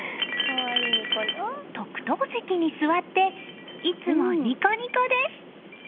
特等席に座っていつもニコニコです。